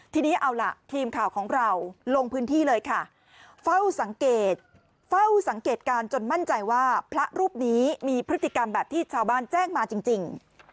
ทีนี้เอาล่ะทีมข่าวของเราลงพื้นที่เลยค่ะเฝ้าสังเกตเฝ้าสังเกตการณ์จนมั่นใจว่าพระรูปนี้มีพฤติกรรมแบบที่ชาวบ้านแจ้งมาจริง